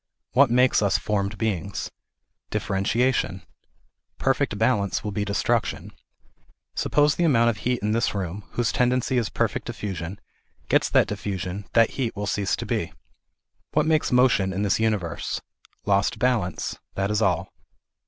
What makes us formed beings ? Differen tiation. Perfect balance will be destruction. Suppose the THE IDEAL OF A UNIVERSAL RELIGION. 311 amount of heat in this room, whose tendency is perfect diffusion, gets that diffusion, that heat will cease to be. What makes motion in this universe ? Lost balance. That is all.